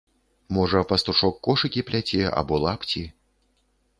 Можа пастушок кошыкі пляце або лапці?